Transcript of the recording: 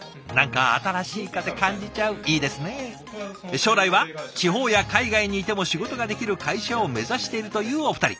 将来は地方や海外にいても仕事ができる会社を目指しているというお二人。